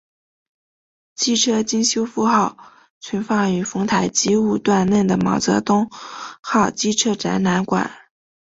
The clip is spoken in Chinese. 机车经修复后存放于丰台机务段内的毛泽东号机车展览馆。